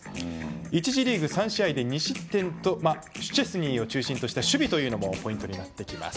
１次リーグ３試合で２失点とシュチェスニーを中心とした守備というのもポイントになってきます。